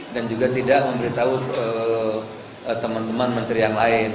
juga tidak memberitahu teman teman menteri yang lain